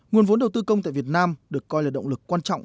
nguồn vốn đầu tư công tại việt nam được coi là động lực quan trọng